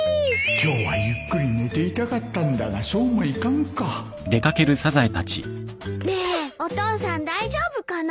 今日はゆっくり寝ていたかったんだがそうもいかんかねえお父さん大丈夫かな？